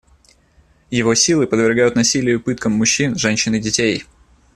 Его силы подвергают насилию и пыткам мужчин, женщин и детей.